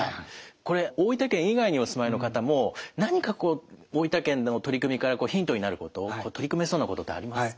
これ大分県以外にお住まいの方も何かこう大分県の取り組みからヒントになること取り組めそうなことってありますか？